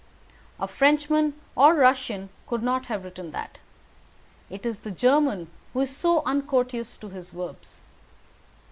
A Frenchman or Russian could not have written that. It is the German who is so uncourteous to his verbs.